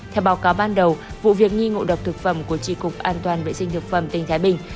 theo báo cáo ban đầu vụ việc nghi ngộ độc thực phẩm của tri cục an toàn vệ sinh thực phẩm tỉnh thái bình